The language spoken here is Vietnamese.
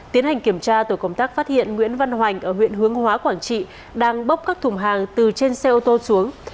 tiến hành kiểm tra tổ công tác phát hiện nguyễn văn hoành ở huyện hướng hóa quảng trị đang bốc các thùng hàng từ trên xe ô tô xuống